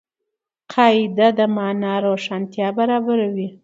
قاعده د مانا روښانتیا برابروي.